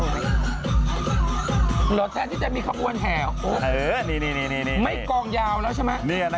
หรอแทนที่จะมีเขาอ้วนแห่หรอเออนี่ไม่กองยาวแล้วใช่ไหม